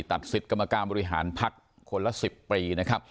ตัดสิทธิ์กรรมกรรมบริหารภักษ์คนละ๑๐ปี